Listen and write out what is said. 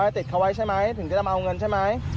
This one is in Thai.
ติดเขาไว้ใช่ไหมถึงจะมาเอาเงินใช่ไหม